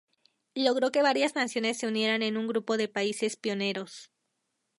Logró que varias naciones se unieran en un grupo de "países pioneros".